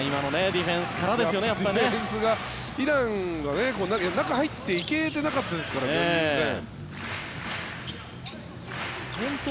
ディフェンスがイランは中に入っていけてなかったですから全然。